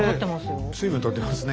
水分とってますね。